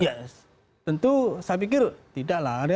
ya tentu saya pikir tidak lah